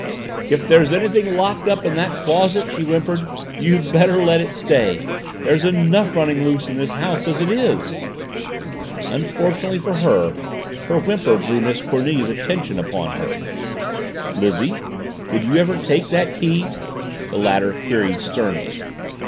"If there's anything locked up in that closet," she whimpered, "you'd better let it stay! There's enough running loose in this house as it is!" Unfortunately for her, her whimper drew Miss Cornelia's attention upon her. "Lizzie, did you ever take that key?" the latter queried sternly.